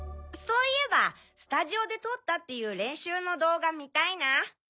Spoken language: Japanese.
そういえばスタジオで撮ったっていう練習の動画見たいなぁ。